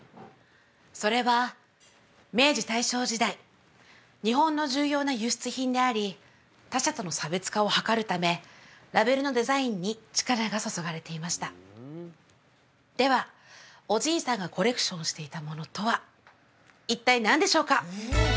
それは明治大正時代日本の重要な輸出品であり他社との差別化を図るためラベルのデザインに力が注がれていましたではおじいさんがコレクションしていたものとは一体何でしょうか？